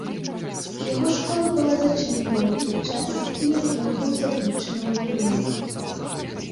Яго школа была зачынена ў той час, як ён быў заключаны ў турму.